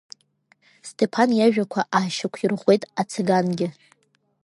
Сҭеԥан иажәақәа аашьақәирӷәӷәеит ацигангьы.